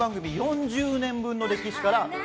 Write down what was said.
番組４０年分の歴史からＢ